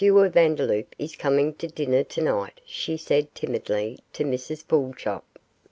Vandeloup is coming to dinner tonight,' she said, timidly, to Mrs Pulchop.